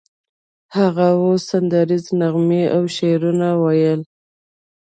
هغه اوس سندریزې نغمې او شعرونه ویل